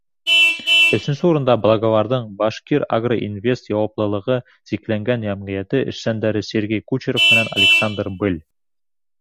Өсөнсө урында — Благоварҙың «Башкирагроинвест» яуаплылығы сикләнгән йәмғиәте эшсәндәре Сергей Кучеров менән Александр Быль.